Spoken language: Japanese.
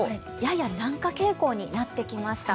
やや南下傾向になってきました。